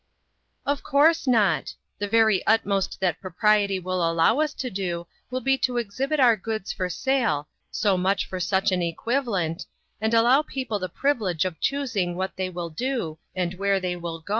" Of course not. The very utmost that propriety will allow us to do will be to ex hibit our goods for sale, so much for such an equivalent, and allow people the privi lege of choosing what they will do, and where they will go."